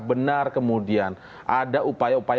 benar kemudian ada upaya upaya